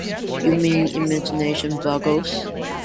You mean imagination boggles?